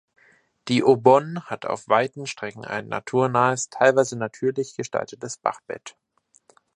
Die Aubonne hat auf weiten Strecken ein naturnahes, teilweise natürlich gestaltetes Bachbett.